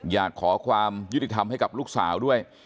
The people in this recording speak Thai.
อยากขอความยุติธรรมให้กับลูกสาวด้วย